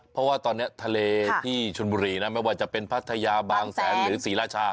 เพราะว่าตอนนี้ทะเลที่ชนบุรีนะไม่ว่าจะเป็นพัทยาบางแสนหรือศรีราชา